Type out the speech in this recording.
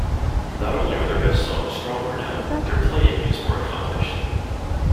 Not only are their best songs stronger now, their playing is more accomplished.